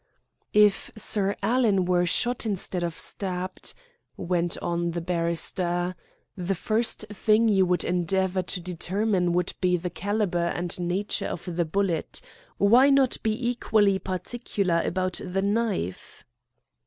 "If Sir Alan were shot instead of stabbed," went on the barrister, "the first thing you would endeavour to determine would be the calibre and nature of the bullet. Why not be equally particular about the knife?"